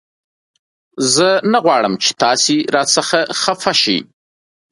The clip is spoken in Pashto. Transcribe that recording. زه نه غواړم چې تاسې را څخه خفه شئ